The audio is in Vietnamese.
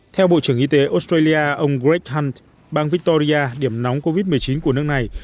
theo bộ trưởng y tế australia ông greg bang victoria điểm nóng covid một mươi chín của nước này